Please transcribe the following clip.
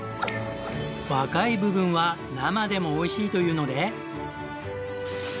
若い部分は生でもおいしいというので。